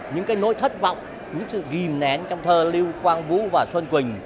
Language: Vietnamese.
những cái nỗi thất vọng những sự ghim nén trong thơ lưu quang vũ và xuân quỳnh